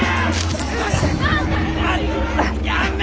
やめ！